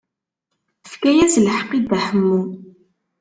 Tefka-as lḥeqq i Dda Ḥemmu.